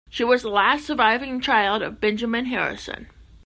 She was the last surviving child of Benjamin Harrison.